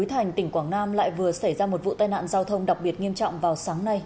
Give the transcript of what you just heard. núi thành tỉnh quảng nam lại vừa xảy ra một vụ tai nạn giao thông đặc biệt nghiêm trọng vào sáng nay